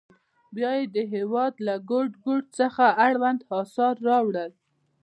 بیا یې د هېواد له ګوټ ګوټ څخه اړوند اثار راوړل.